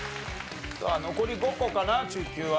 さあ残り５個かな中級は。